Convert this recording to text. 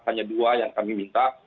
hanya dua yang kami minta